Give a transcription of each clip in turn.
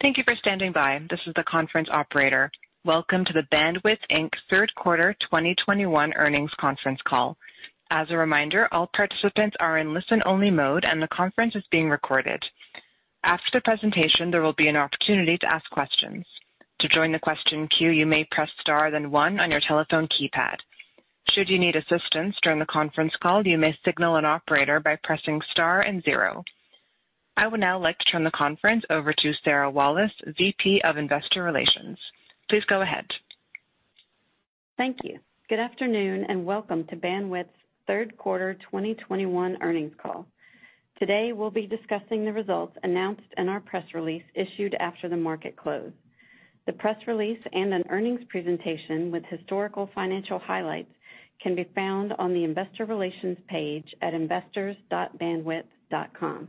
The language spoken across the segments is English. Thank you for standing by. This is the conference operator. Welcome to the Bandwidth Inc. third quarter 2021 earnings conference call. As a reminder, all participants are in listen-only mode, and the conference is being recorded. After the presentation, there will be an opportunity to ask questions. To join the question queue, you may press Star, then one on your telephone keypad. Should you need assistance during the conference call, you may signal an operator by pressing Star and zero. I would now like to turn the conference over to Sarah Walas, VP of Investor Relations. Please go ahead. Thank you. Good afternoon, and welcome to Bandwidth's third quarter 2021 earnings call. Today, we'll be discussing the results announced in our press release issued after the market closed. The press release and an earnings presentation with historical financial highlights can be found on the investor relations page at investors.bandwidth.com. With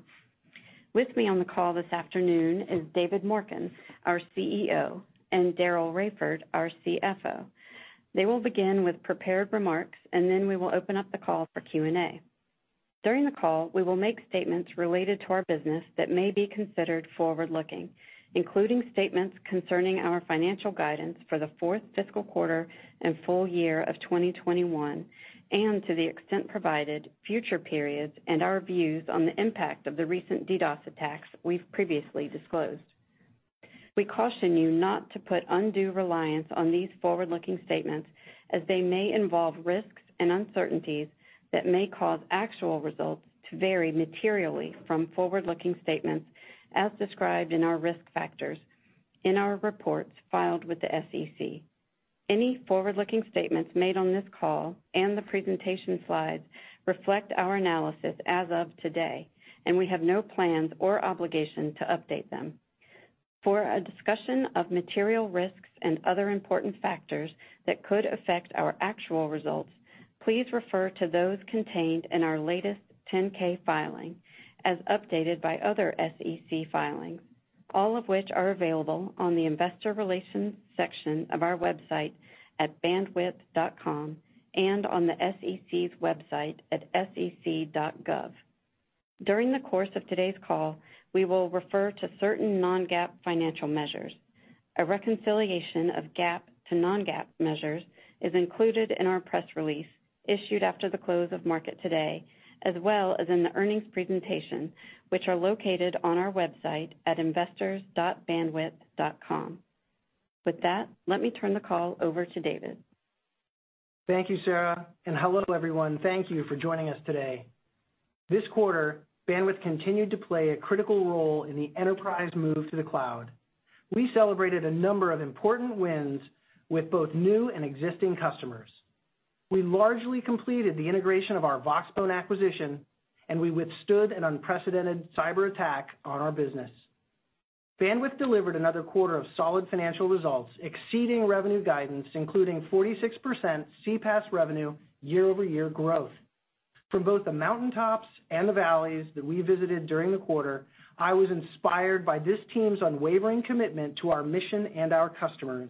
me on the call this afternoon is David Morken, our CEO, and Daryl Raiford, our CFO. They will begin with prepared remarks, and then we will open up the call for Q&A. During the call, we will make statements related to our business that may be considered forward-looking, including statements concerning our financial guidance for the fourth fiscal quarter and full-year of 2021, and to the extent provided, future periods and our views on the impact of the recent DDoS attacks we've previously disclosed. We caution you not to put undue reliance on these forward-looking statements as they may involve risks and uncertainties that may cause actual results to vary materially from forward-looking statements as described in our risk factors in our reports filed with the SEC. Any forward-looking statements made on this call and the presentation slides reflect our analysis as of today, and we have no plans or obligation to update them. For a discussion of material risks and other important factors that could affect our actual results, please refer to those contained in our latest 10-K filing as updated by other SEC filings, all of which are available on the investor relations section of our website at bandwidth.com and on the SEC's website at sec.gov. During the course of today's call, we will refer to certain non-GAAP financial measures. A reconciliation of GAAP to non-GAAP measures is included in our press release issued after the close of market today, as well as in the earnings presentation, which are located on our website at investors.bandwidth.com. With that, let me turn the call over to David. Thank you, Sarah, and hello, everyone. Thank you for joining us today. This quarter, Bandwidth continued to play a critical role in the enterprise move to the cloud. We celebrated a number of important wins with both new and existing customers. We largely completed the integration of our Voxbone acquisition, and we withstood an unprecedented cyberattack on our business. Bandwidth delivered another quarter of solid financial results, exceeding revenue guidance, including 46% CPaaS revenue year-over-year growth. From both the mountaintops and the valleys that we visited during the quarter, I was inspired by this team's unwavering commitment to our mission and our customers.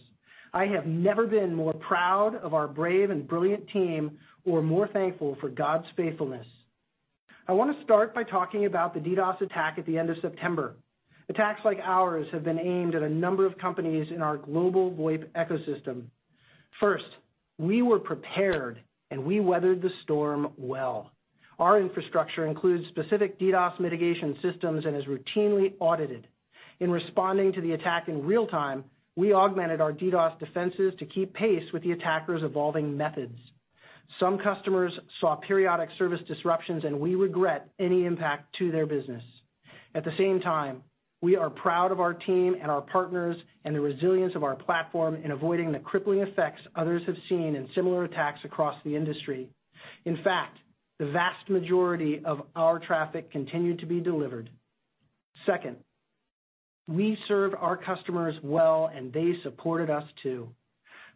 I have never been more proud of our brave and brilliant team or more thankful for God's faithfulness. I want to start by talking about the DDoS attack at the end of September. Attacks like ours have been aimed at a number of companies in our global VoIP ecosystem. First, we were prepared, and we weathered the storm well. Our infrastructure includes specific DDoS mitigation systems and is routinely audited. In responding to the attack in real time, we augmented our DDoS defenses to keep pace with the attacker's evolving methods. Some customers saw periodic service disruptions, and we regret any impact to their business. At the same time, we are proud of our team and our partners and the resilience of our platform in avoiding the crippling effects others have seen in similar attacks across the industry. In fact, the vast majority of our traffic continued to be delivered. Second, we served our customers well, and they supported us too.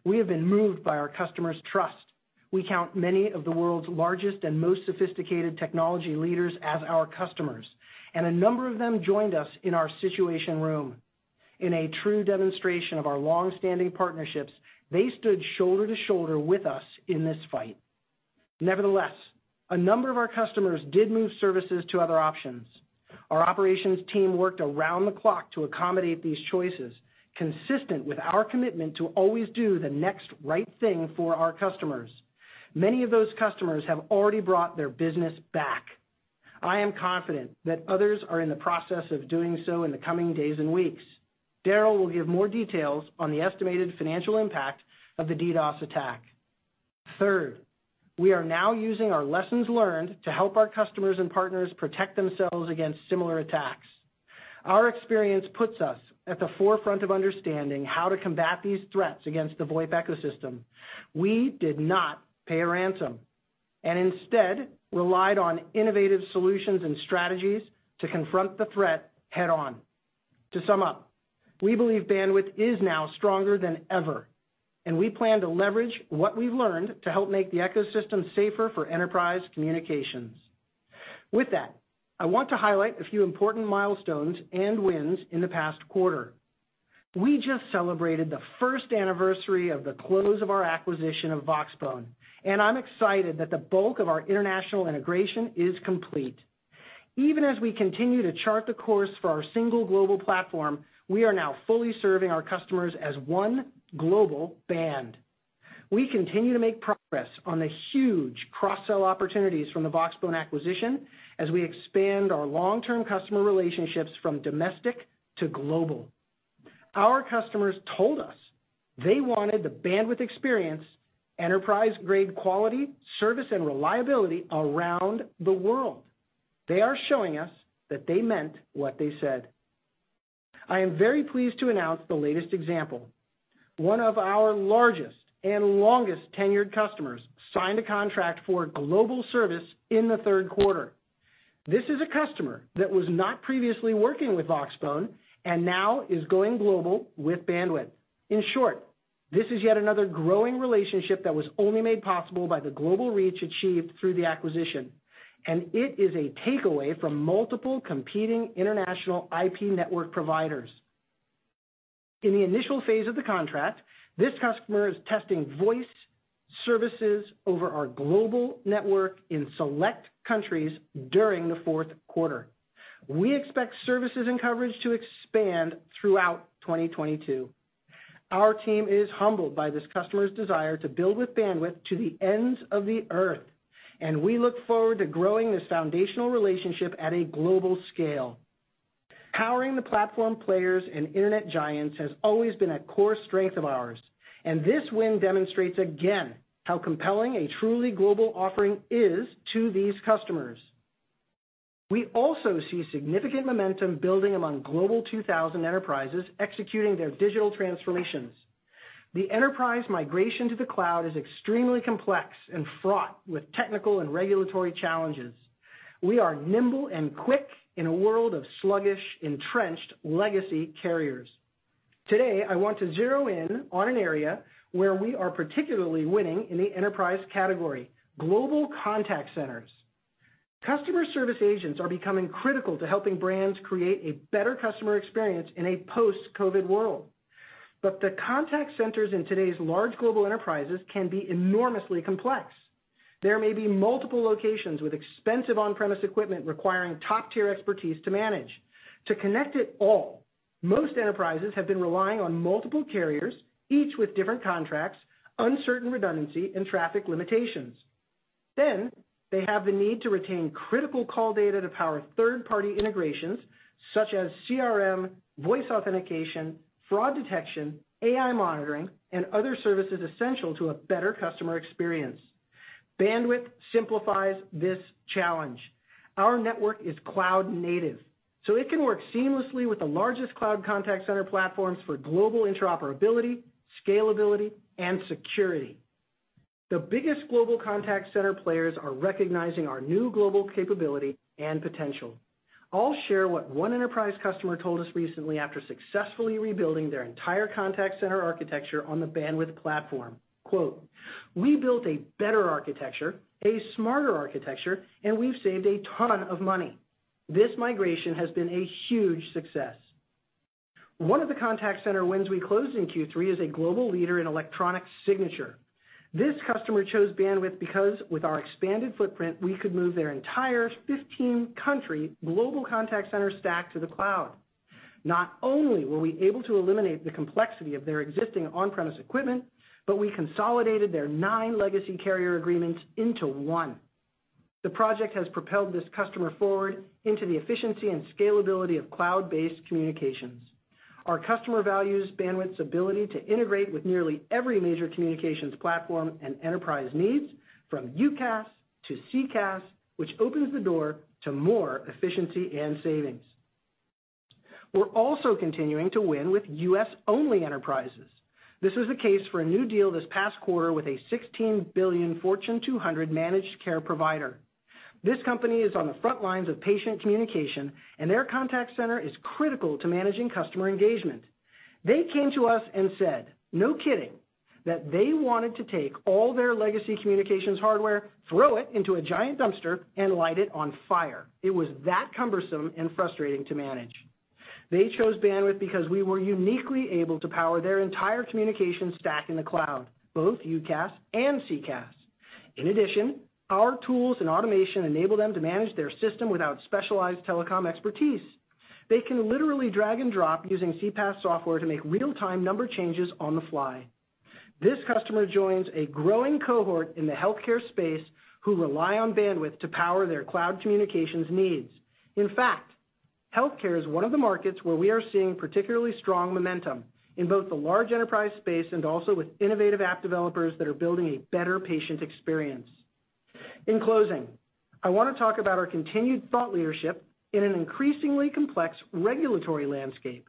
We have been moved by our customers' trust. We count many of the world's largest and most sophisticated technology leaders as our customers, and a number of them joined us in our situation room. In a true demonstration of our long-standing partnerships, they stood shoulder to shoulder with us in this fight. Nevertheless, a number of our customers did move services to other options. Our operations team worked around the clock to accommodate these choices, consistent with our commitment to always do the next right thing for our customers. Many of those customers have already brought their business back. I am confident that others are in the process of doing so in the coming days and weeks. Daryl will give more details on the estimated financial impact of the DDoS attack. Third, we are now using our lessons learned to help our customers and partners protect themselves against similar attacks. Our experience puts us at the forefront of understanding how to combat these threats against the VoIP ecosystem. We did not pay a ransom and instead relied on innovative solutions and strategies to confront the threat head on. To sum up, we believe Bandwidth is now stronger than ever, and we plan to leverage what we've learned to help make the ecosystem safer for enterprise communications. With that, I want to highlight a few important milestones and wins in the past quarter. We just celebrated the first anniversary of the close of our acquisition of Voxbone, and I'm excited that the bulk of our international integration is complete. Even as we continue to chart the course for our single global platform, we are now fully serving our customers as one global Bandwidth. We continue to make progress on the huge cross-sell opportunities from the Voxbone acquisition as we expand our long-term customer relationships from domestic to global. Our customers told us they wanted the Bandwidth experience, enterprise-grade quality, service, and reliability around the world. They are showing us that they meant what they said. I am very pleased to announce the latest example. One of our largest and longest-tenured customers signed a contract for global service in the third quarter. This is a customer that was not previously working with Voxbone and now is going global with Bandwidth. In short, this is yet another growing relationship that was only made possible by the global reach achieved through the acquisition, and it is a takeaway from multiple competing international IP network providers. In the initial phase of the contract, this customer is testing voice services over our global network in select countries during the fourth quarter. We expect services and coverage to expand throughout 2022. Our team is humbled by this customer's desire to build with Bandwidth to the ends of the earth, and we look forward to growing this foundational relationship at a global scale. Powering the platform players and internet giants has always been a core strength of ours, and this win demonstrates again how compelling a truly global offering is to these customers. We also see significant momentum building among Global 2000 enterprises executing their digital transformations. The enterprise migration to the cloud is extremely complex and fraught with technical and regulatory challenges. We are nimble and quick in a world of sluggish, entrenched legacy carriers. Today, I want to zero in on an area where we are particularly winning in the enterprise category, global contact centers. Customer service agents are becoming critical to helping brands create a better customer experience in a post-COVID world. The contact centers in today's large global enterprises can be enormously complex. There may be multiple locations with expensive on-premise equipment requiring top-tier expertise to manage. To connect it all, most enterprises have been relying on multiple carriers, each with different contracts, uncertain redundancy, and traffic limitations. They have the need to retain critical call data to power third-party integrations, such as CRM, voice authentication, fraud detection, AI monitoring, and other services essential to a better customer experience. Bandwidth simplifies this challenge. Our network is cloud native, so it can work seamlessly with the largest cloud contact center platforms for global interoperability, scalability, and security. The biggest global contact center players are recognizing our new global capability and potential. I'll share what one enterprise customer told us recently after successfully rebuilding their entire contact center architecture on the Bandwidth platform. Quote, "We built a better architecture, a smarter architecture, and we've saved a ton of money. This migration has been a huge success." One of the contact center wins we closed in Q3 is a global leader in electronic signature. This customer chose Bandwidth because with our expanded footprint, we could move their entire 15-country global contact center stack to the cloud. Not only were we able to eliminate the complexity of their existing on-premise equipment, but we consolidated their nine legacy carrier agreements into one. The project has propelled this customer forward into the efficiency and scalability of cloud-based communications. Our customer values Bandwidth's ability to integrate with nearly every major communications platform and enterprise needs, from UCaaS to CCaaS, which opens the door to more efficiency and savings. We're also continuing to win with U.S.-only enterprises. This is the case for a new deal this past quarter with a $16 billion Fortune 200 managed care provider. This company is on the front lines of patient communication, and their contact center is critical to managing customer engagement. They came to us and said, no kidding, that they wanted to take all their legacy communications hardware, throw it into a giant dumpster, and light it on fire. It was that cumbersome and frustrating to manage. They chose Bandwidth because we were uniquely able to power their entire communication stack in the cloud, both UCaaS and CCaaS. In addition, our tools and automation enable them to manage their system without specialized telecom expertise. They can literally drag and drop using CCaaS software to make real-time number changes on the fly. This customer joins a growing cohort in the healthcare space who rely on Bandwidth to power their cloud communications needs. In fact, healthcare is one of the markets where we are seeing particularly strong momentum in both the large enterprise space and also with innovative app developers that are building a better patient experience. In closing, I want to talk about our continued thought leadership in an increasingly complex regulatory landscape.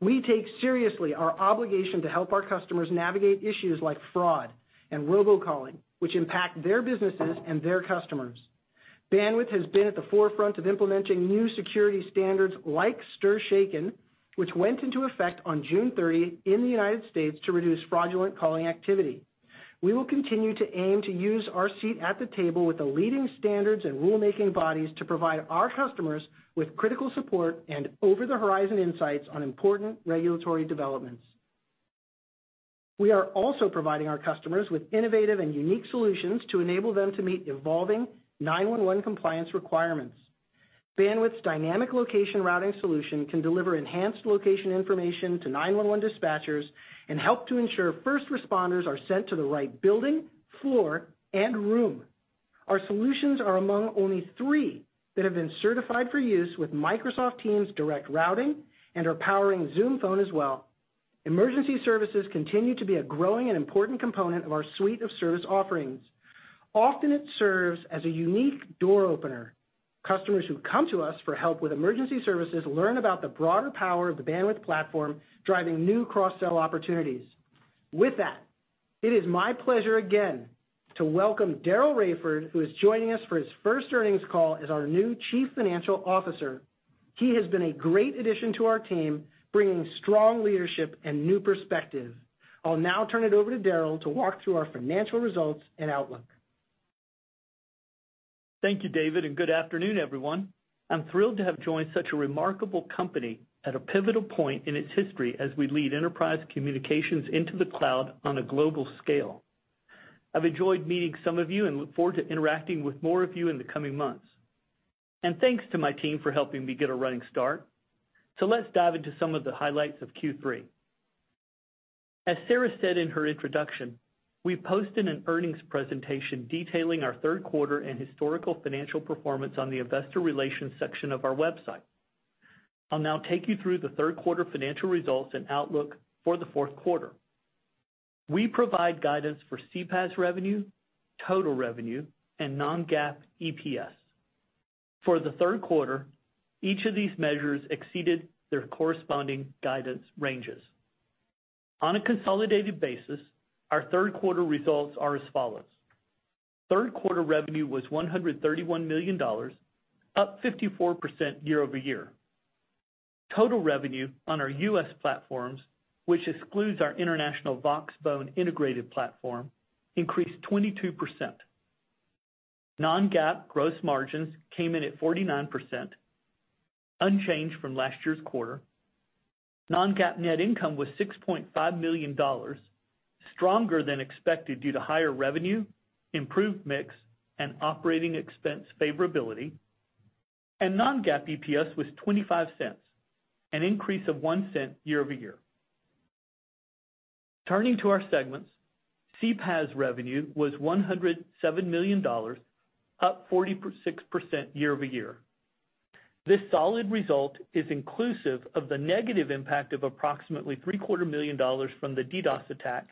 We take seriously our obligation to help our customers navigate issues like fraud and robocalling, which impact their businesses and their customers. Bandwidth has been at the forefront of implementing new security standards like STIR/SHAKEN, which went into effect on June 30 in the United States to reduce fraudulent calling activity. We will continue to aim to use our seat at the table with the leading standards and rulemaking bodies to provide our customers with critical support and over-the-horizon insights on important regulatory developments. We are also providing our customers with innovative and unique solutions to enable them to meet evolving 911 compliance requirements. Bandwidth's Dynamic Location Routing solution can deliver enhanced location information to 911 dispatchers and help to ensure first responders are sent to the right building, floor, and room. Our solutions are among only three that have been certified for use with Microsoft Teams Direct Routing and are powering Zoom Phone as well. Emergency services continue to be a growing and important component of our suite of service offerings. Often it serves as a unique door opener. Customers who come to us for help with emergency services learn about the broader power of the Bandwidth platform, driving new cross-sell opportunities. With that, it is my pleasure again to welcome Daryl Raiford, who is joining us for his first earnings call as our new Chief Financial Officer. He has been a great addition to our team, bringing strong leadership and new perspective. I'll now turn it over to Daryl to walk through our financial results and outlook. Thank you, David, and good afternoon, everyone. I'm thrilled to have joined such a remarkable company at a pivotal point in its history as we lead enterprise communications into the cloud on a global scale. I've enjoyed meeting some of you and look forward to interacting with more of you in the coming months. Thanks to my team for helping me get a running start. Let's dive into some of the highlights of Q3. As Sarah said in her introduction, we've posted an earnings presentation detailing our third quarter and historical financial performance on the investor relations section of our website. I'll now take you through the third quarter financial results and outlook for the fourth quarter. We provide guidance for CPaaS revenue, total revenue, and non-GAAP EPS. For the third quarter, each of these measures exceeded their corresponding guidance ranges. On a consolidated basis, our third quarter results are as follows. Third quarter revenue was $131 million, up 54% year-over-year. Total revenue on our U.S. platforms, which excludes our international Voxbone integrated platform, increased 22%. Non-GAAP gross margins came in at 49%, unchanged from last year's quarter. Non-GAAP net income was $6.5 million, stronger than expected due to higher revenue, improved mix, and operating expense favorability. Non-GAAP EPS was $0.25, an increase of $0.01 year-over-year. Turning to our segments, CPaaS revenue was $107 million, up 46% year-over-year. This solid result is inclusive of the negative impact of approximately three quarters million dollars from the DDoS attack,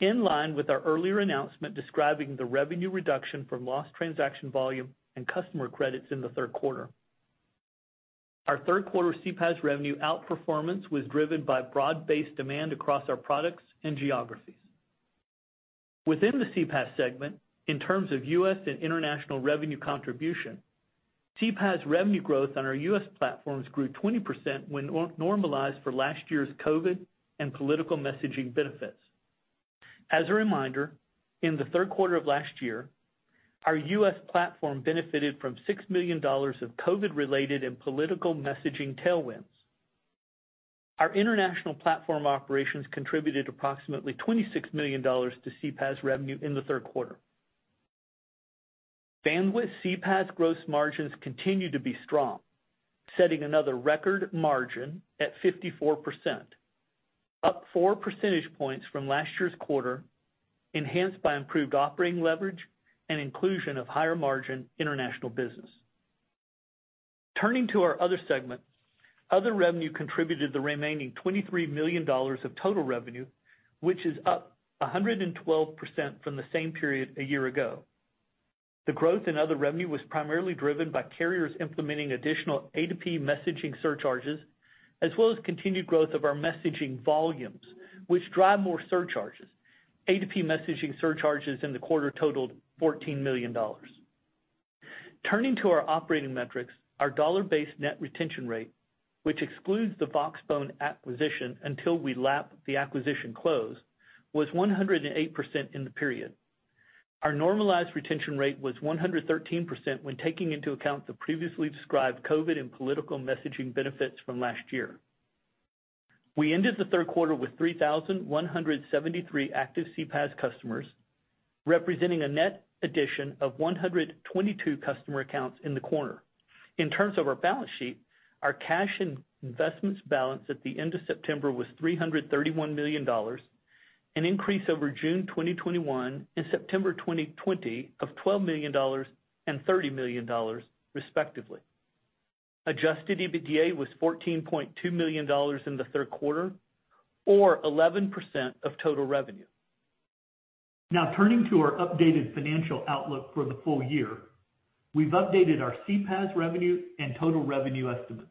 in line with our earlier announcement describing the revenue reduction from lost transaction volume and customer credits in the third quarter. Our third quarter CPaaS revenue outperformance was driven by broad-based demand across our products and geographies. Within the CPaaS segment, in terms of U.S. and international revenue contribution, CPaaS revenue growth on our U.S. platforms grew 20% when non-normalized for last year's COVID and political messaging benefits. As a reminder, in the third quarter of last year, our U.S. platform benefited from $6 million of COVID-related and political messaging tailwinds. Our international platform operations contributed approximately $26 million to CPaaS revenue in the third quarter. Bandwidth CPaaS gross margins continue to be strong, setting another record margin at 54%, up four percentage points from last year's quarter, enhanced by improved operating leverage and inclusion of higher-margin international business. Turning to our other segment, other revenue contributed the remaining $23 million of total revenue, which is up 112% from the same period a year ago. The growth in other revenue was primarily driven by carriers implementing additional A2P messaging surcharges, as well as continued growth of our messaging volumes, which drive more surcharges. A2P messaging surcharges in the quarter totaled $14 million. Turning to our operating metrics, our dollar-based net retention rate, which excludes the Voxbone acquisition until we lap the acquisition close, was 108% in the period. Our normalized retention rate was 113% when taking into account the previously described COVID and political messaging benefits from last year. We ended the third quarter with 3,173 active CPaaS customers, representing a net addition of 122 customer accounts in the quarter. In terms of our balance sheet, our cash and investments balance at the end of September was $331 million, an increase over June 2021 and September 2020 of $12 million and $30 million, respectively. Adjusted EBITDA was $14.2 million in the third quarter or 11% of total revenue. Now turning to our updated financial outlook for the full-year. We've updated our CPaaS revenue and total revenue estimates.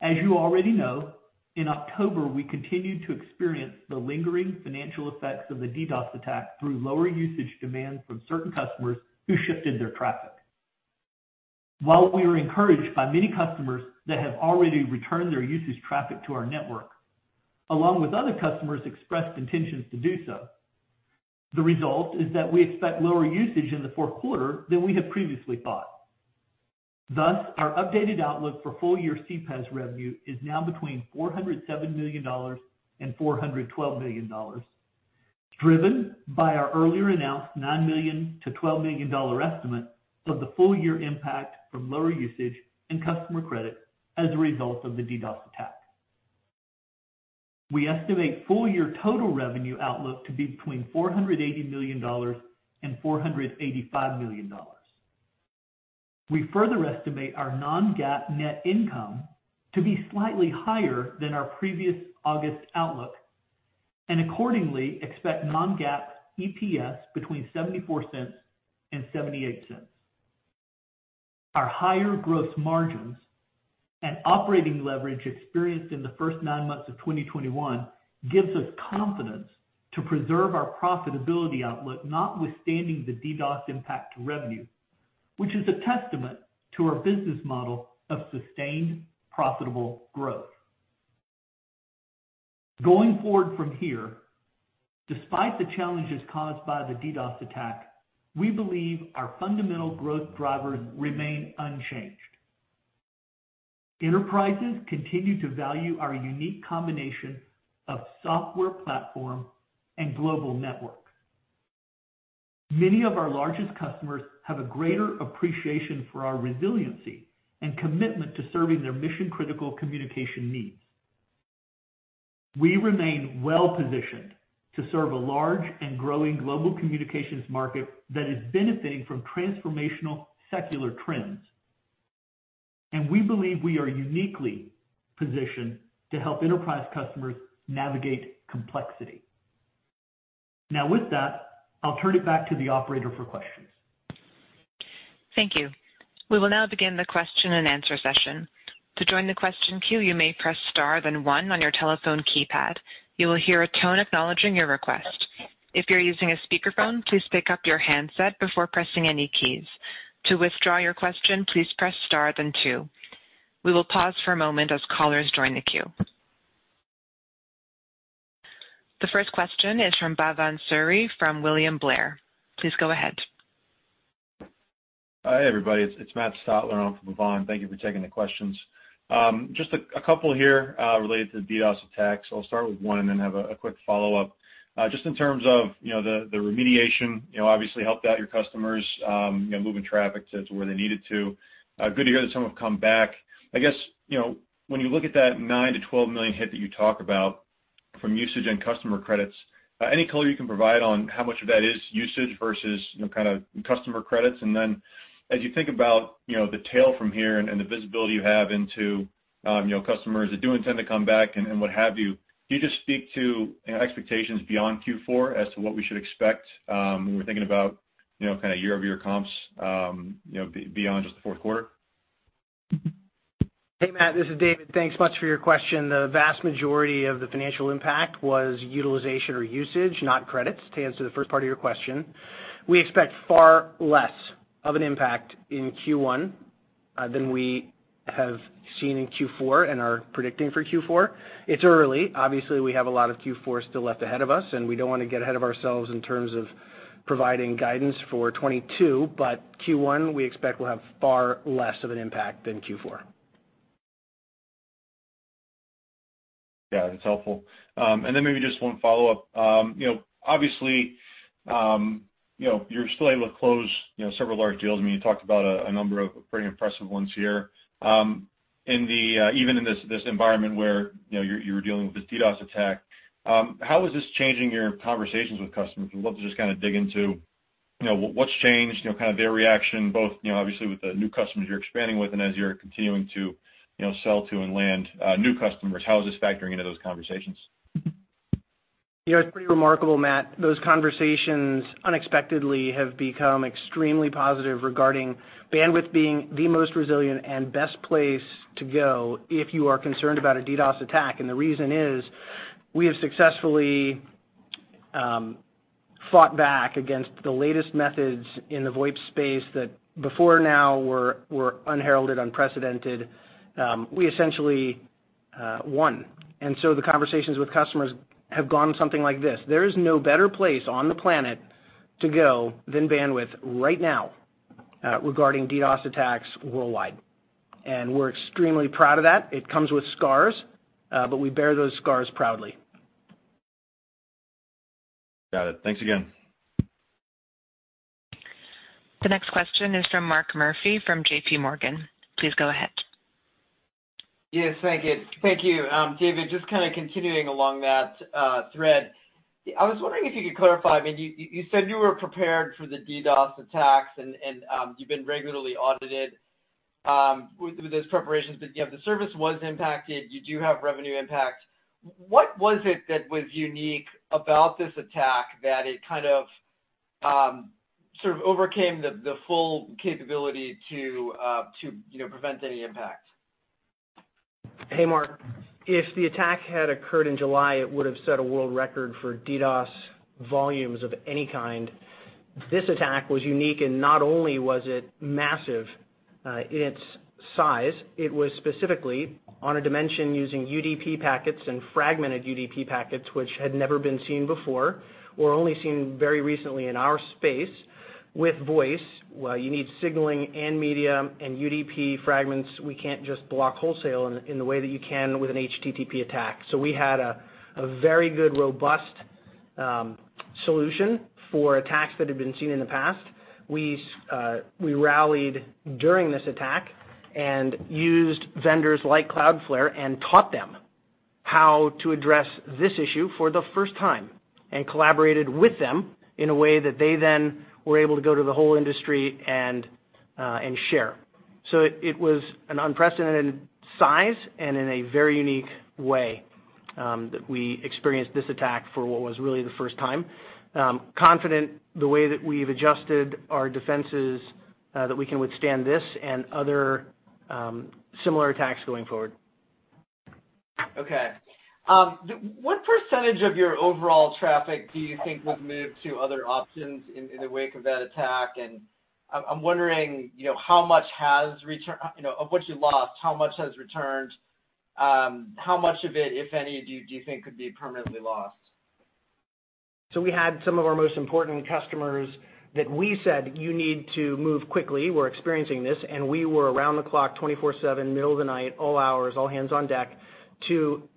As you already know, in October, we continued to experience the lingering financial effects of the DDoS attack through lower usage demand from certain customers who shifted their traffic. While we are encouraged by many customers that have already returned their usage traffic to our network, along with other customers expressed intentions to do so, the result is that we expect lower usage in the fourth quarter than we had previously thought. Thus, our updated outlook for full-year CPaaS revenue is now between $407 million and $412 million, driven by our earlier announced $9 million-$12 million estimate of the full-year impact from lower usage and customer credit as a result of the DDoS attack. We estimate full-year total revenue outlook to be between $480 million and $485 million. We further estimate our non-GAAP net income to be slightly higher than our previous August outlook and accordingly expect non-GAAP EPS between $0.74 and $0.78. Our higher gross margins and operating leverage experienced in the first nine months of 2021 gives us confidence to preserve our profitability outlook notwithstanding the DDoS impact to revenue, which is a testament to our business model of sustained profitable growth. Going forward from here, despite the challenges caused by the DDoS attack, we believe our fundamental growth drivers remain unchanged. Enterprises continue to value our unique combination of software platform and global network. Many of our largest customers have a greater appreciation for our resiliency and commitment to serving their mission-critical communication needs. We remain well-positioned to serve a large and growing global communications market that is benefiting from transformational secular trends. We believe we are uniquely positioned to help enterprise customers navigate complexity. Now with that, I'll turn it back to the operator for questions. Thank you. We will now begin the question-and-answer session. To join the question queue, you may press Star, then one on your telephone keypad. You will hear a tone acknowledging your request. If you're using a speakerphone, please pick up your handset before pressing any keys. To withdraw your question, please press Star then two. We will pause for a moment as callers join the queue. The first question is from Bhavan Suri from William Blair. Please go ahead. Hi, everybody. It's Matt Stotler, and I'm from William Blair. Thank you for taking the questions. Just a couple here related to the DDoS attacks. I'll start with one and then have a quick follow-up. Just in terms of, you know, the remediation, you know, obviously helped out your customers, you know, moving traffic to where they need it to. Good to hear that some have come back. I guess, you know, when you look at that $9 million-$12 million hit that you talk about from usage and customer credits, any color you can provide on how much of that is usage versus, you know, kinda customer credits. Then as you think about, you know, the tail from here and the visibility you have into, you know, customers that do intend to come back and what have you. Can you just speak to expectations beyond Q4 as to what we should expect, when we're thinking about, you know, kinda year-over-year comps, you know, beyond just the fourth quarter? Hey, Matt, this is David. Thanks much for your question. The vast majority of the financial impact was utilization or usage, not credits, to answer the first part of your question. We expect far less of an impact in Q1 than we have seen in Q4 and are predicting for Q4. It's early. Obviously, we have a lot of Q4 still left ahead of us, and we don't wanna get ahead of ourselves in terms of providing guidance for 2022, but Q1, we expect will have far less of an impact than Q4. Yeah, that's helpful. Maybe just one follow-up. You know, obviously, you know, you're still able to close, you know, several large deals. I mean, you talked about a number of pretty impressive ones here. Even in this environment where, you know, you're dealing with this DDoS attack, how is this changing your conversations with customers? I'd love to just kinda dig into, you know, what's changed, you know, kind of their reaction, both, you know, obviously with the new customers you're expanding with and as you're continuing to, you know, sell to and land new customers. How is this factoring into those conversations? You know, it's pretty remarkable, Matt. Those conversations unexpectedly have become extremely positive regarding Bandwidth being the most resilient and best place to go if you are concerned about a DDoS attack. The reason is we have successfully fought back against the latest methods in the VoIP space that before now were unheralded, unprecedented. We essentially won. The conversations with customers have gone something like this: There is no better place on the planet to go than Bandwidth right now, regarding DDoS attacks worldwide. We're extremely proud of that. It comes with scars, but we bear those scars proudly. Got it. Thanks again. The next question is from Mark Murphy from JP Morgan. Please go ahead. Yes, thank you. David, just kinda continuing along that thread. I was wondering if you could clarify. I mean, you said you were prepared for the DDoS attacks and you've been regularly audited with those preparations, but yet the service was impacted. You do have revenue impact. What was it that was unique about this attack that it kind of sort of overcame the full capability to you know, prevent any impact? Hey, Mark Murphy. If the attack had occurred in July, it would have set a world record for DDoS volumes of any kind. This attack was unique, and not only was it massive in its size. It was specifically on a dimension using UDP packets and fragmented UDP packets, which had never been seen before or only seen very recently in our space with voice. While you need signaling and media and UDP fragments, we can't just block wholesale in the way that you can with an HTTP attack. We had a very good, robust solution for attacks that have been seen in the past. We rallied during this attack and used vendors like Cloudflare and taught them how to address this issue for the first time and collaborated with them in a way that they then were able to go to the whole industry and share. It was an unprecedented size and in a very unique way that we experienced this attack for what was really the first time. We're confident the way that we've adjusted our defenses that we can withstand this and other similar attacks going forward. Okay. What percentage of your overall traffic do you think was moved to other options in the wake of that attack? I'm wondering, you know, how much has returned. You know, of what you lost, how much has returned? How much of it, if any, do you think could be permanently lost? We had some of our most important customers that we said, "You need to move quickly. We're experiencing this." We were around the clock 24/7, middle of the night, all hours, all hands on deck to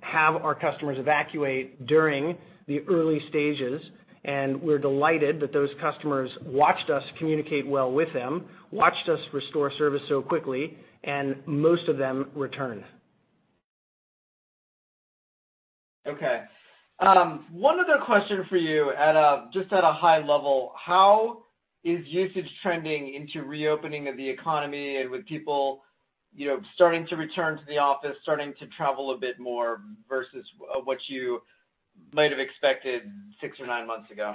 have our customers evacuate during the early stages. We're delighted that those customers watched us communicate well with them, watched us restore service so quickly, and most of them returned. Okay. One other question for you, just at a high level, how is usage trending into reopening of the economy and with people, you know, starting to return to the office, starting to travel a bit more versus what you might have expected six or nine months ago?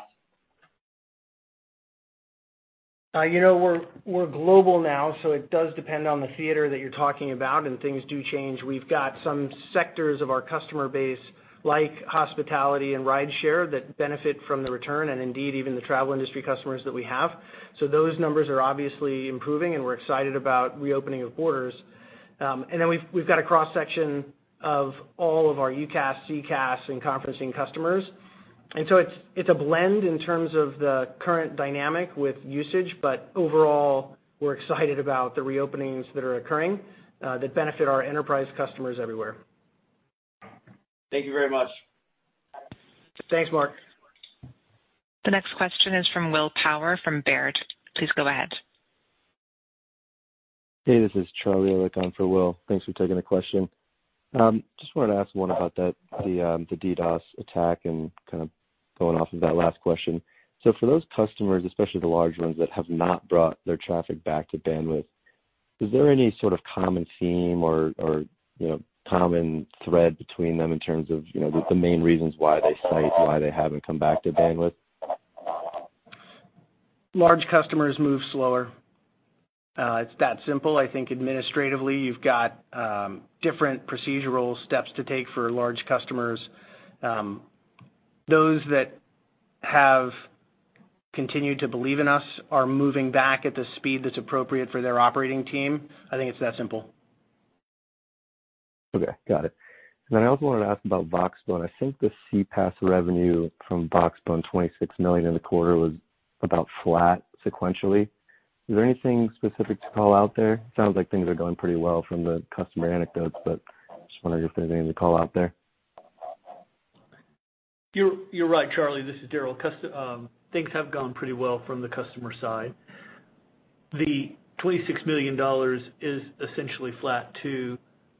You know, we're global now, so it does depend on the theater that you're talking about, and things do change. We've got some sectors of our customer base, like hospitality and rideshare, that benefit from the return and indeed even the travel industry customers that we have. Those numbers are obviously improving, and we're excited about reopening of borders. We've got a cross-section of all of our UCaaS, CCaaS, and conferencing customers. It's a blend in terms of the current dynamic with usage. Overall, we're excited about the reopenings that are occurring, that benefit our enterprise customers everywhere. Thank you very much. Thanks, Mark. The next question is from Will Power from Baird. Please go ahead. Hey, this is Charlie. I'm subbing for Will. Thanks for taking the question. Just wanted to ask one about that, the DDoS attack and kind of going off of that last question. For those customers, especially the large ones that have not brought their traffic back to Bandwidth, is there any sort of common theme or you know common thread between them in terms of you know the main reasons why they cite why they haven't come back to Bandwidth? Large customers move slower. It's that simple. I think administratively, you've got different procedural steps to take for large customers. Those that have continued to believe in us are moving back at the speed that's appropriate for their operating team. I think it's that simple. Okay. Got it. I also wanted to ask about Voxbone. I think the CPaaS revenue from Voxbone, $26 million in the quarter, was about flat sequentially. Is there anything specific to call out there? Sounds like things are going pretty well from the customer anecdotes, but just wondering if there's anything to call out there. You're right, Charlie. This is Daryl. Customer things have gone pretty well from the customer side. The $26 million is essentially flat to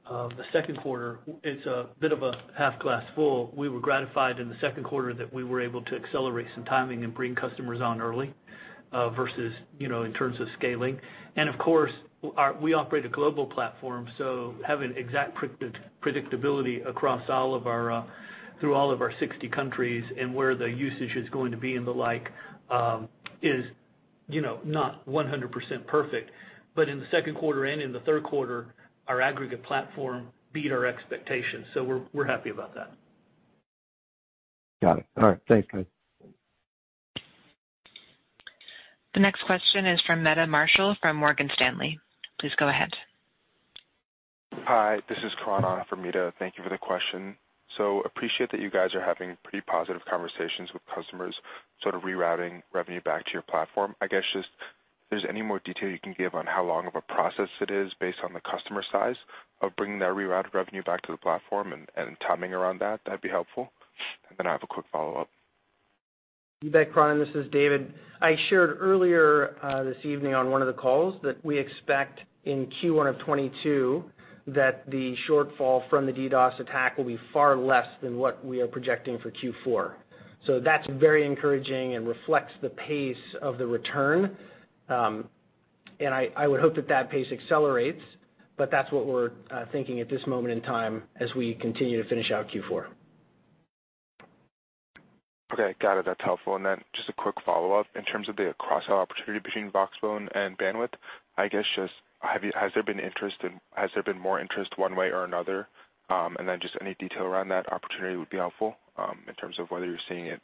the second quarter. It's a bit of a glass half full. We were gratified in the second quarter that we were able to accelerate some timing and bring customers on early versus, you know, in terms of scaling. Of course, we operate a global platform, so having exact predictability across all of our through all of our 60 countries and where the usage is going to be and the like is, you know, not 100% perfect. In the second quarter and in the third quarter, our aggregate platform beat our expectations, so we're happy about that. Got it. All right. Thanks, guys. The next question is from Meta Marshall from Morgan Stanley. Please go ahead. Hi, this is Karan from Meta. Thank you for the question. Appreciate that you guys are having pretty positive conversations with customers sort of rerouting revenue back to your platform. I guess just if there's any more detail you can give on how long of a process it is based on the customer size of bringing that rerouted revenue back to the platform and timing around that'd be helpful. I have a quick follow-up. You bet, Karan. This is David. I shared earlier this evening on one of the calls that we expect in Q1 of 2022 that the shortfall from the DDoS attack will be far less than what we are projecting for Q4. That's very encouraging and reflects the pace of the return. I would hope that pace accelerates, but that's what we're thinking at this moment in time as we continue to finish out Q4. Okay. Got it. That's helpful. Then just a quick follow-up. In terms of the cross-sell opportunity between Voxbone and Bandwidth, I guess just has there been more interest one way or another? Just any detail around that opportunity would be helpful, in terms of whether you're seeing it.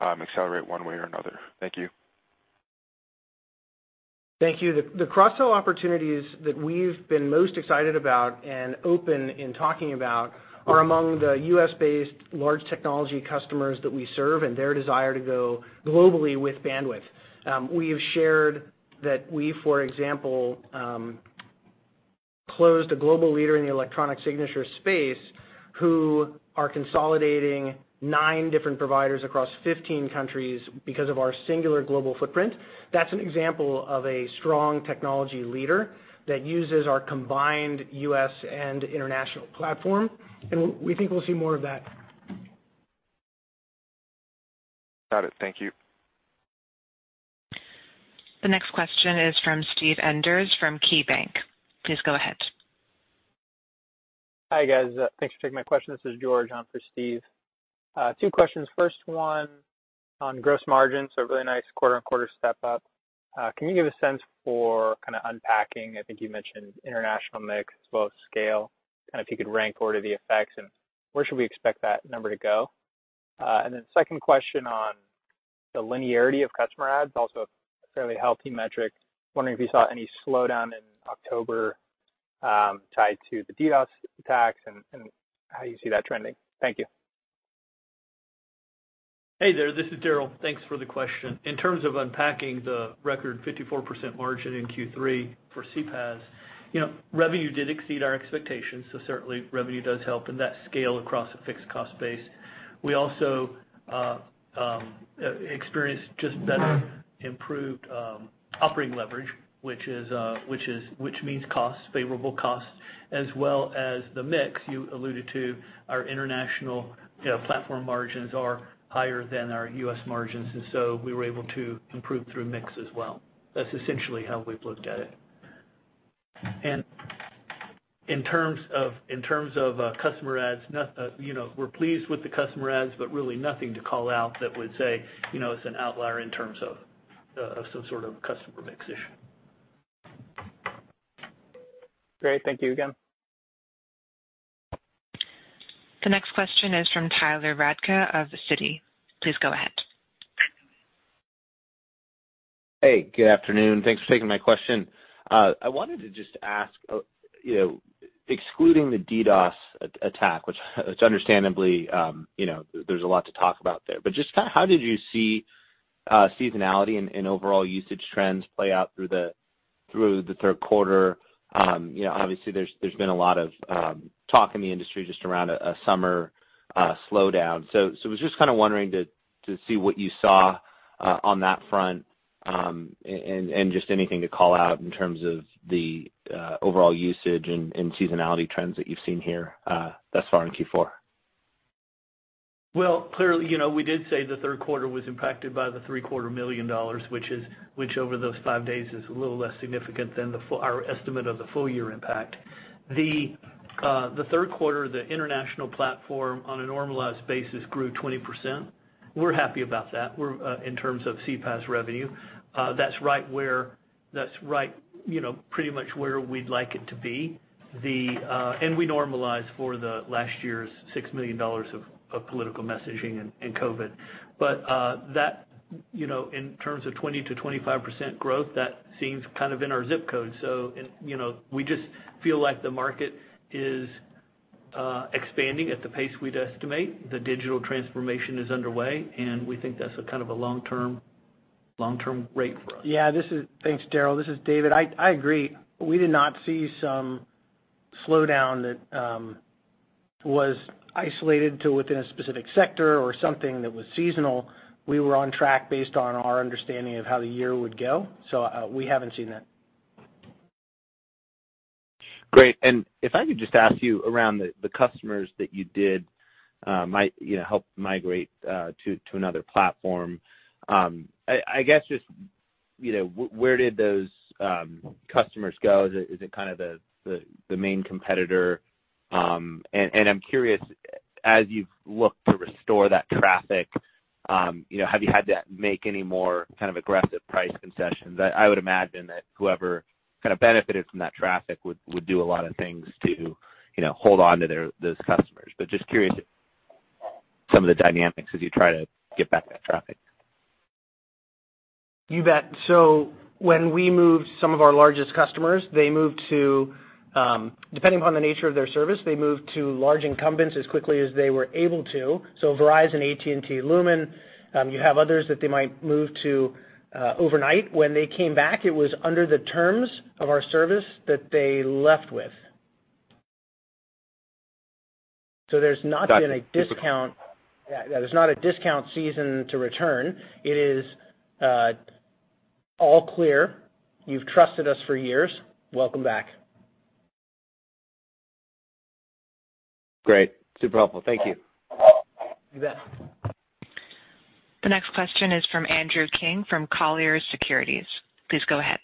Accelerate one way or another. Thank you. Thank you. The cross-sell opportunities that we've been most excited about and open about talking about are among the U.S.-based large technology customers that we serve and their desire to go globally with bandwidth. We have shared that we, for example, closed a global leader in the electronic signature space who are consolidating nine different providers across 15 countries because of our singular global footprint. That's an example of a strong technology leader that uses our combined U.S. and international platform, and we think we'll see more of that. Got it. Thank you. The next question is from Steve Enders from KeyBanc. Please go ahead. Hi, guys. Thanks for taking my question. This is George on for Steve. Two questions. First one on gross margins, so a really nice quarter-on-quarter step up. Can you give a sense for kinda unpacking? I think you mentioned international mix as well as scale. Kind of if you could rank order the effects and where should we expect that number to go? And then second question on the linearity of customer adds, also a fairly healthy metric. Wondering if you saw any slowdown in October, tied to the DDoS attacks and how you see that trending. Thank you. Hey there, this is Daryl. Thanks for the question. In terms of unpacking the record 54% margin in Q3 for CPaaS, you know, revenue did exceed our expectations, so certainly revenue does help in that scale across a fixed cost base. We also experienced just better improved operating leverage, which means favorable costs, as well as the mix you alluded to. Our international you know, platform margins are higher than our U.S. margins, and so we were able to improve through mix as well. That's essentially how we've looked at it. In terms of customer adds, you know, we're pleased with the customer adds, but really nothing to call out that would say, you know, it's an outlier in terms of some sort of customer mix issue. Great. Thank you again. The next question is from Tyler Radke of Citi. Please go ahead. Hey, good afternoon. Thanks for taking my question. I wanted to just ask, you know, excluding the DDoS attack, which understandably, you know, there's a lot to talk about there. Just how did you see seasonality and overall usage trends play out through the third quarter? You know, obviously there's been a lot of talk in the industry just around a summer slowdown. Was just kinda wondering to see what you saw on that front, and just anything to call out in terms of the overall usage and seasonality trends that you've seen here thus far in Q4. Well, clearly, you know, we did say the third quarter was impacted by the $0.75 million, which over those five days is a little less significant than our estimate of the full-year impact. The third quarter, the international platform on a normalized basis grew 20%. We're happy about that. We're in terms of CPaaS revenue, that's right where you know, pretty much where we'd like it to be. We normalize for last year's $6 million of political messaging and COVID. That, you know, in terms of 20%-25% growth, that seems kind of in our zip code. You know, we just feel like the market is expanding at the pace we'd estimate. The digital transformation is underway, and we think that's a kind of a long-term rate for us. Thanks, Daryl. This is David. I agree. We did not see some slowdown that was isolated to within a specific sector or something that was seasonal. We were on track based on our understanding of how the year would go, so we haven't seen that. Great. If I could just ask you around the customers that you did you know help migrate to another platform. I guess just you know where did those customers go? Is it kind of the main competitor? I'm curious, as you've looked to restore that traffic you know have you had to make any more kind of aggressive price concessions? I would imagine that whoever kind of benefited from that traffic would do a lot of things to you know hold on to their those customers. Just curious some of the dynamics as you try to get back that traffic. You bet. When we moved some of our largest customers, they moved to, depending upon the nature of their service, they moved to large incumbents as quickly as they were able to. Verizon, AT&T, Lumen. We have others that they might move to overnight. When they came back, it was under the terms of our service that they left with. There's not been a discount. Got it. Yeah, there's not a discount season to return. It is, all clear. You've trusted us for years. Welcome back. Great. Super helpful. Thank you. You bet. The next question is from Andrew King from Colliers Securities. Please go ahead.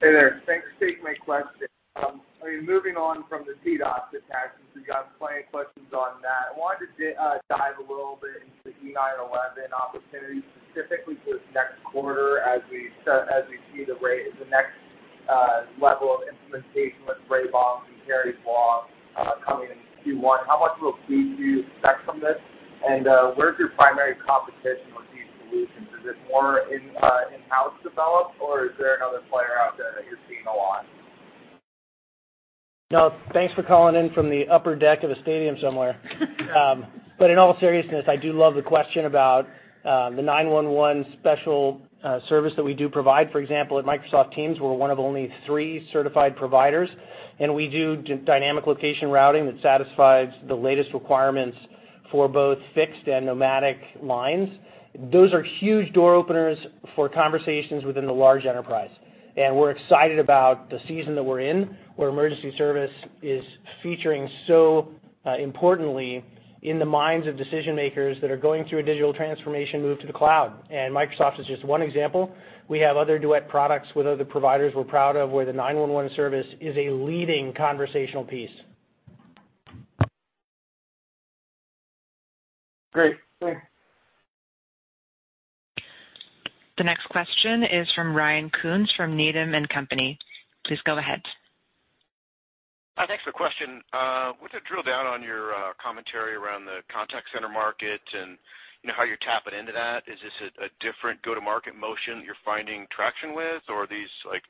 Hey there. Thanks for taking my question. I mean, moving on from the DDoS attacks, since we've got plenty of questions on that, I wanted to dive a little bit into E911 opportunities, specifically for this next quarter as we see the rate in the next level of implementation with RAY BAUM'S Act coming in Q1, how much will Q2 expect from this? And where's your primary competition with these solutions? Is it more in-house developed or is there another player out there that you're seeing a lot? No, thanks for calling in from the upper deck of a stadium somewhere. But in all seriousness, I do love the question about the 911 special service that we do provide. For example, at Microsoft Teams, we're one of only three certified providers, and we do Dynamic Location Routing that satisfies the latest requirements for both fixed and nomadic lines. Those are huge door openers for conversations within the large enterprise. We're excited about the season that we're in, where emergency service is featuring so importantly in the minds of decision-makers that are going through a digital transformation move to the cloud. Microsoft is just one example. We have other Duet products with other providers we're proud of, where the 911 service is a leading conversational piece. Great. Sure. The next question is from Ryan Koontz from Needham & Company. Please go ahead. Thanks for the question. I wanted to drill down on your commentary around the contact center market and, you know, how you're tapping into that. Is this a different go-to-market motion you're finding traction with, or are these, like,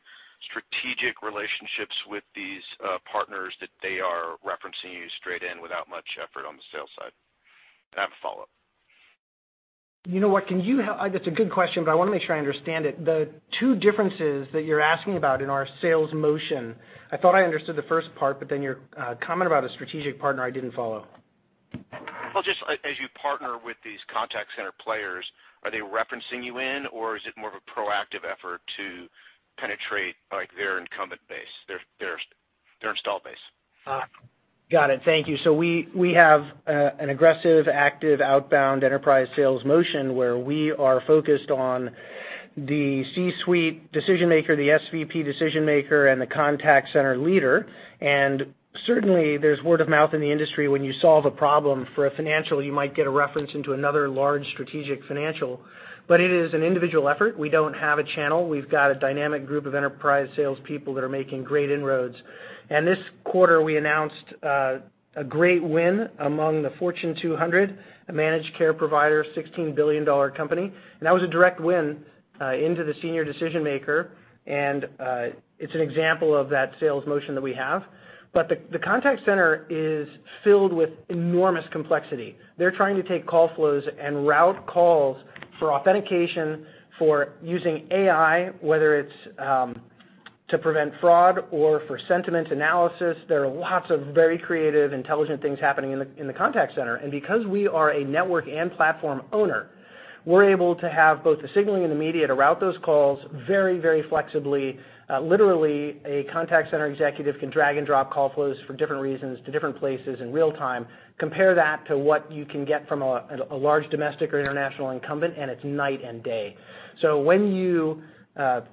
strategic relationships with these partners that they are referencing you straight in without much effort on the sales side? I have a follow-up. You know what? That's a good question, but I wanna make sure I understand it. The two differences that you're asking about in our sales motion, I thought I understood the first part, but then your comment about a strategic partner, I didn't follow. Well, just as you partner with these contact center players, are they referencing you in or is it more of a proactive effort to penetrate, like, their incumbent base, their installed base? Got it. Thank you. We have an aggressive, active, outbound enterprise sales motion where we are focused on the C-suite decision-maker, the SVP decision-maker, and the contact center leader. Certainly, there's word of mouth in the industry when you solve a problem for a financial, you might get a reference into another large strategic financial. It is an individual effort. We don't have a channel. We've got a dynamic group of enterprise sales people that are making great inroads. This quarter we announced a great win among the Fortune 200, a managed care provider, $16 billion company. That was a direct win into the senior decision maker. It's an example of that sales motion that we have. The contact center is filled with enormous complexity. They're trying to take call flows and route calls for authentication for using AI, whether it's to prevent fraud or for sentiment analysis. There are lots of very creative, intelligent things happening in the contact center. Because we are a network and platform owner, we're able to have both the signaling and the media to route those calls very, very flexibly. Literally, a contact center executive can drag and drop call flows for different reasons to different places in real time. Compare that to what you can get from a large domestic or international incumbent, and it's night and day. When you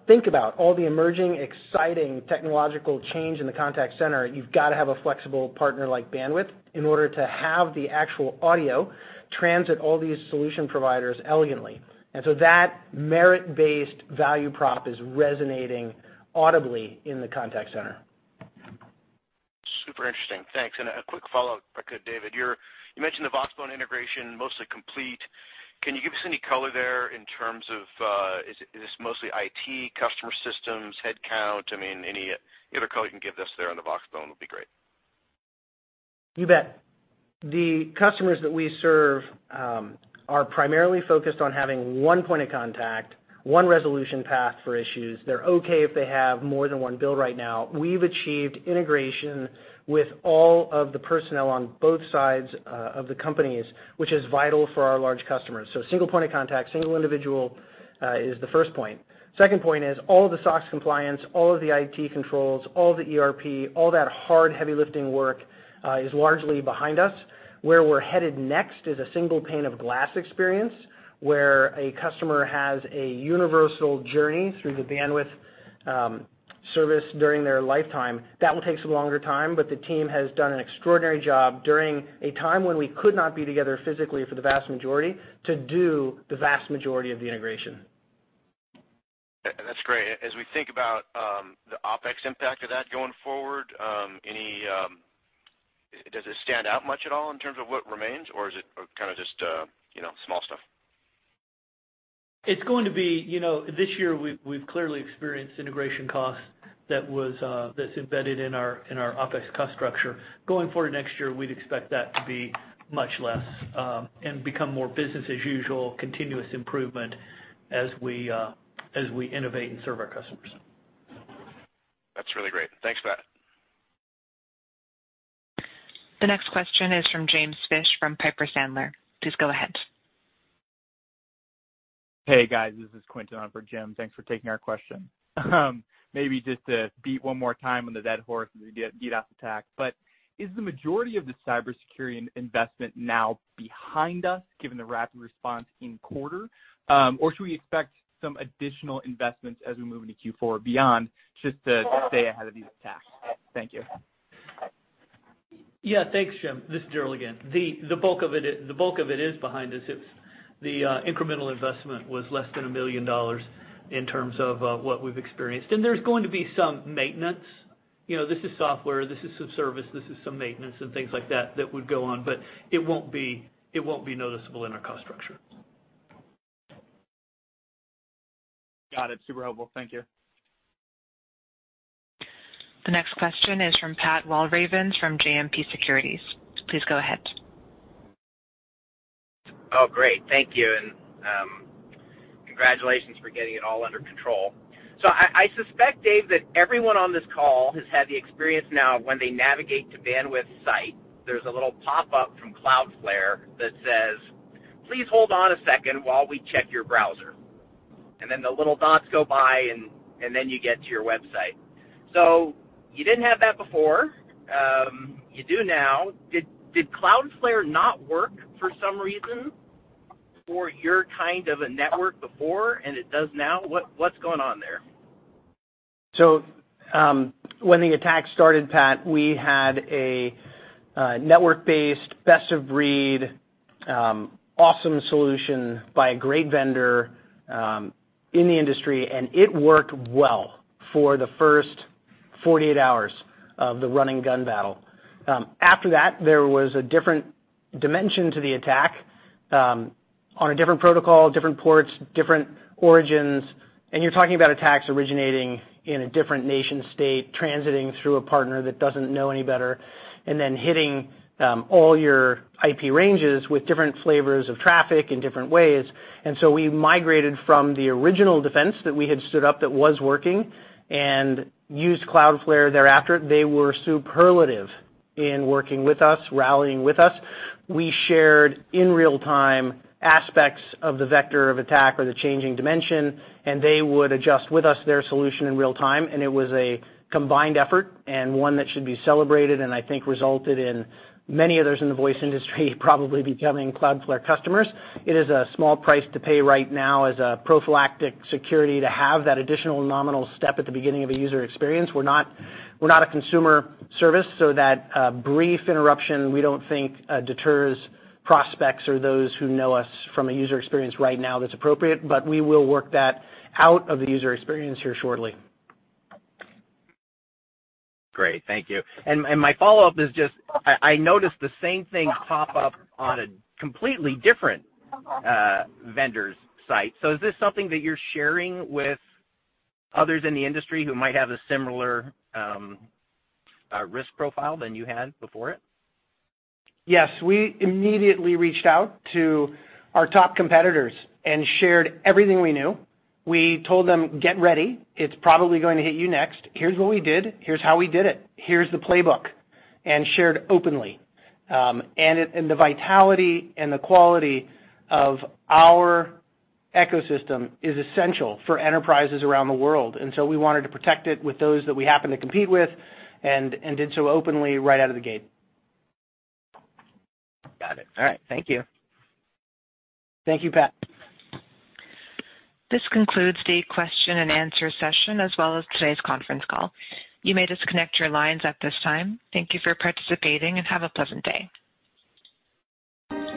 think about all the emerging, exciting technological change in the contact center, you've got to have a flexible partner like Bandwidth in order to have the actual audio transit all these solution providers elegantly. that merit-based value prop is resonating audibly in the contact center. Super interesting. Thanks. A quick follow-up, if I could, David. You mentioned the Voxbone integration mostly complete. Can you give us any color there in terms of, is this mostly IT, customer systems, headcount? I mean, any other color you can give us there on the Voxbone would be great. You bet. The customers that we serve are primarily focused on having one point of contact, one resolution path for issues. They're okay if they have more than one bill right now. We've achieved integration with all of the personnel on both sides of the companies, which is vital for our large customers. Single point of contact, single individual is the first point. Second point is all of the SOX compliance, all of the IT controls, all the ERP, all that hard, heavy lifting work is largely behind us. Where we're headed next is a single pane of glass experience, where a customer has a universal journey through the Bandwidth service during their lifetime. That will take some longer time, but the team has done an extraordinary job during a time when we could not be together physically for the vast majority to do the vast majority of the integration. That's great. As we think about the OpEx impact of that going forward, any... Does it stand out much at all in terms of what remains or is it kind of just, you know, small stuff? It's going to be. You know, this year we've clearly experienced integration costs that's embedded in our OpEx cost structure. Going forward next year, we'd expect that to be much less, and become more business as usual, continuous improvement as we innovate and serve our customers. That's really great. Thanks for that. The next question is from James Fish from Piper Sandler. Please go ahead. Hey, guys, this is Quentin on for Jim. Thanks for taking our question. Maybe just to beat one more time on the dead horse as we get DDoS attack, but is the majority of the cybersecurity investment now behind us given the rapid response in quarter? Should we expect some additional investments as we move into Q4 beyond just to stay ahead of these attacks? Thank you. Yeah. Thanks, Jim. This is Daryl again. The bulk of it is behind us. It's the incremental investment was less than $1 million in terms of what we've experienced. There's going to be some maintenance. You know, this is software, this is some service, this is some maintenance and things like that that would go on, but it won't be noticeable in our cost structure. Got it. Super helpful. Thank you. The next question is from Pat Walravens from JMP Securities. Please go ahead. Oh, great. Thank you, and, congratulations for getting it all under control. I suspect, Dave, that everyone on this call has had the experience now of when they navigate to Bandwidth's site, there's a little pop-up from Cloudflare that says, "Please hold on a second while we check your browser." Then the little dots go by, and then you get to your website. You didn't have that before. You do now. Did Cloudflare not work for some reason for your kind of a network before, and it does now? What's going on there? When the attack started, Pat, we had a network-based, best-of-breed, awesome solution by a great vendor in the industry, and it worked well for the first 48 hours of the running gun battle. After that, there was a different dimension to the attack on a different protocol, different ports, different origins. You're talking about attacks originating in a different nation state, transiting through a partner that doesn't know any better, and then hitting all your IP ranges with different flavors of traffic in different ways. We migrated from the original defense that we had stood up that was working and used Cloudflare thereafter. They were superlative in working with us, rallying with us. We shared in real time aspects of the vector of attack or the changing dimension, and they would adjust with us their solution in real time, and it was a combined effort and one that should be celebrated, and I think resulted in many others in the voice industry probably becoming Cloudflare customers. It is a small price to pay right now as a prophylactic security to have that additional nominal step at the beginning of a user experience. We're not a consumer service, so that brief interruption, we don't think deters prospects or those who know us from a user experience right now that's appropriate. But we will work that out of the user experience here shortly. Great. Thank you. My follow-up is just, I noticed the same thing pop up on a completely different vendor's site. Is this something that you're sharing with others in the industry who might have a similar risk profile than you had before it? Yes. We immediately reached out to our top competitors and shared everything we knew. We told them, "Get ready. It's probably going to hit you next. Here's what we did. Here's how we did it. Here's the playbook." Shared openly. The vitality and the quality of our ecosystem is essential for enterprises around the world, and so we wanted to protect it with those that we happen to compete with and did so openly right out of the gate. Got it. All right. Thank you. Thank you, Pat. This concludes the question-and-answer session, as well as today's conference call. You may disconnect your lines at this time. Thank you for participating, and have a pleasant day.